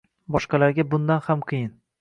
Boshqalarga bundan ham qiyin.